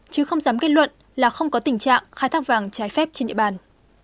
chứ không dám kết luận là không có tình trạng khai thác vàng trái phép trên địa bàn